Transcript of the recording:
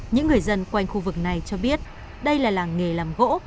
những người dân quanh khu vực này cho biết đây là làng nghề làm gỗ